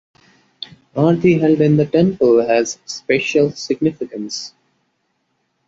Aarti held in the temple has special significance.